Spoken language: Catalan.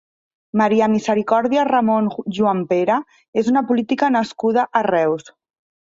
Maria Misericòrdia Ramon Juanpere és una política nascuda a Reus.